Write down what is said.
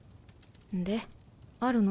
であるの？